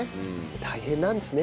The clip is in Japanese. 大変なんですね